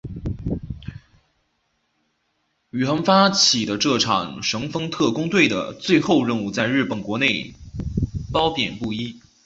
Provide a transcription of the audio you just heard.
宇垣发起的这场神风特攻队的最后任务在日本国内褒贬不一。